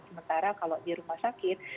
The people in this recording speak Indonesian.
sementara kalau di rumah sakit